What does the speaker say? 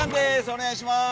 お願いします。